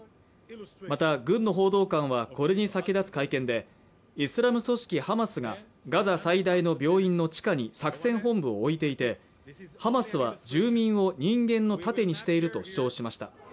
また軍の報道官はこれに先立つ会見でイスラム組織ハマスがガザ最大の病院の地下に作戦本部を置いていてハマスは住民を人間の盾にしていると主張しました